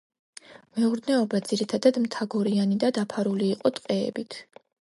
მეურნეობა ძირითადად მთაგორიანი და დაფარული იყო ტყეებით.